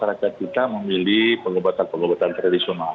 karena kita memilih pengobatan pengobatan tradisional